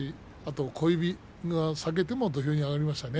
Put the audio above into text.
小指が裂けても土俵に上がりましたね。